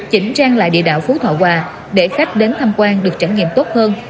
chỉnh trang lại địa đạo phú thọ hòa để khách đến tham quan được trải nghiệm tốt hơn